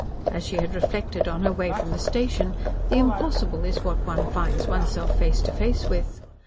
As she had reflected on her way from the station, the impossible is what one finds one's self face to face with.